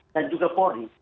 dan juga polri